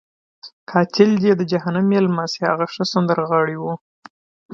قاتل دې یې د جهنم میلمه شي، هغه ښه سندرغاړی وو.